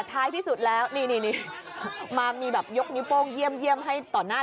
ท้ายที่สุดแล้วนี่มามีแบบยกนิ้วโป้งเยี่ยมให้ต่อหน้า